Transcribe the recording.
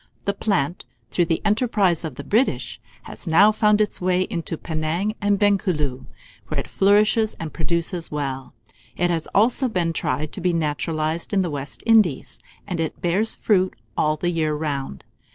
The plant, through the enterprise of the British, has now found its way into Penang and Bencooleu, where it flourishes and produces well. It has also been tried to be naturalized in the West Indies, and it bears fruit all the year round.